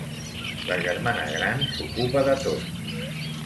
La germana gran s'ocupa de tot.